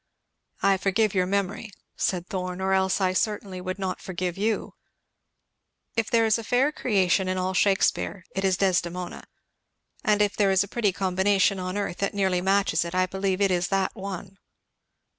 "I forgive your memory," said Thorn, "or else I certainly would not forgive you. If there is a fair creation in all Shakespeare it is Desdemona, and if there is a pretty combination on earth that nearly matches it, I believe it is that one."